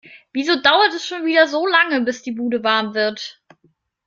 Wieso dauert es schon wieder so lange, bis die Bude warm wird?